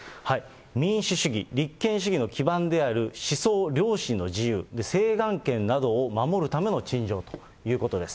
民主主義、立憲主義の基盤である思想、良心の自由、請願権などを守るための陳情ということです。